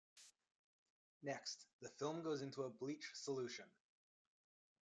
Next, the film goes into a bleach solution.